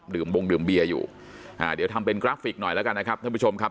บงดื่มเบียร์อยู่อ่าเดี๋ยวทำเป็นกราฟิกหน่อยแล้วกันนะครับท่านผู้ชมครับ